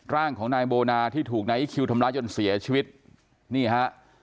ร่างของนายโบนาที่ถูกนายอีคิวทำร้ายจนเสียชีวิตนี่ฮะ